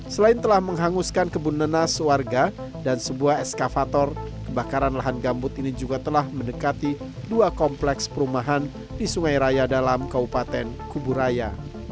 selain telah menghanguskan kebun nenas warga dan sebuah eskavator kebakaran lahan gambut ini juga telah mendekati dua kompleks perumahan di sungai raya dalam kabupaten kuburaya